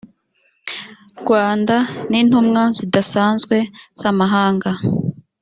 rwanda n intumwa zidasanzwe z amahanga